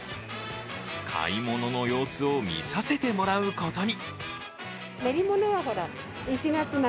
買い物の様子を見させてもらうことに。